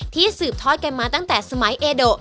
สืบทอดกันมาตั้งแต่สมัยเอโด